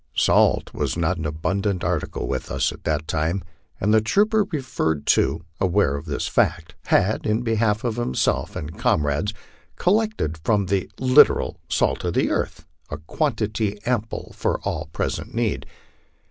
Salt was not an abundant article with us at that time, and the trooper referred to, aware of this fact, had, in behalf of himself and comrades, collected from the literal " salt of the earth" a quantity ample for all present need.